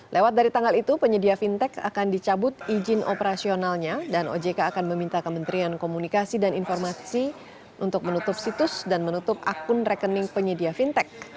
lewat dari tanggal itu penyedia fintech akan dicabut izin operasionalnya dan ojk akan meminta kementerian komunikasi dan informasi untuk menutup situs dan menutup akun rekening penyedia fintech